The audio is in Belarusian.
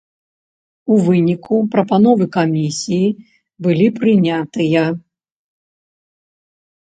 У выніку прапановы камісіі былі прынятыя.